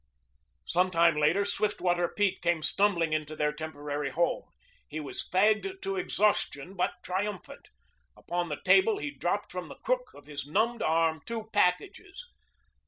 Sometime later Swiftwater Pete came stumbling into their temporary home. He was fagged to exhaustion but triumphant. Upon the table he dropped from the crook of his numbed arm two packages.